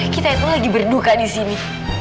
kita itu lagi berduka disini